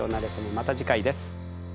また次回です。